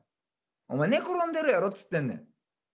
お前寝転んでるやろっつってんねん。